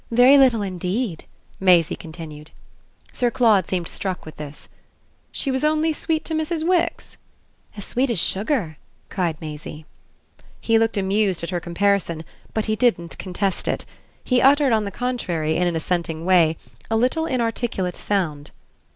Very little indeed," Maisie continued. Sir Claude seemed struck with this. "She was only sweet to Mrs. Wix?" "As sweet as sugar!" cried Maisie. He looked amused at her comparison, but he didn't contest it; he uttered on the contrary, in an assenting way, a little inarticulate sound.